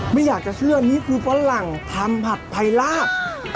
ไม่อยากจะเชื่อนี่คือฝรั่งทำผัดไทยลาบ